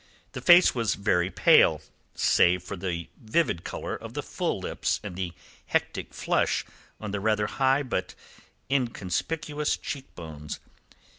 The face was very pale, save for the vivid colour of the full lips and the hectic flush on the rather high but inconspicuous cheek bones.